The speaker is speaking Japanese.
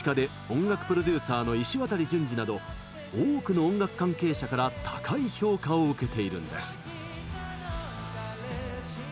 音楽プロデューサーのいしわたり淳治など多くの音楽関係者から高い評価を受けているんです。